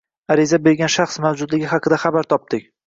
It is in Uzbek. ariza bergan shaxs mavjudligi haqida xabar topdik